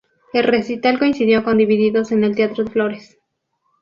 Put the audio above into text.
El recital coincidió con Divididos en el Teatro de Flores.